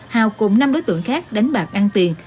hào cùng năm đối tượng khác đánh bạc ăn tiền